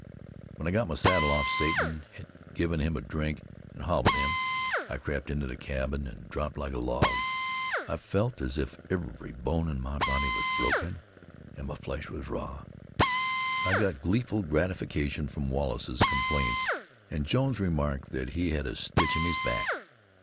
When I got my saddle off Satan, had given him a drink and hobbled him, I crept into the cabin and dropped like a log. I felt as if every bone in my body was broken and my flesh was raw. I got gleeful gratification from Wallace's complaints, and Jones's remark that he had a stitch in his back.